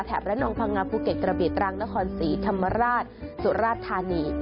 แถบแรกน้องฟังงาภูเก็ตกระเปียดตรางนครศรีธรรมราชสุรราชธานี